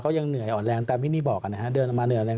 ยังเหนื่อยอ่อนแรงตามที่นี่บอกนะฮะเดินออกมาเหนื่อยแรง